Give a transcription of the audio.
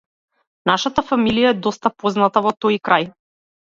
Нашата фамилија е доста позната во тој крај.